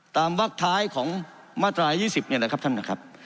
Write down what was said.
วักท้ายของมาตราย๒๐เนี่ยนะครับท่านนะครับ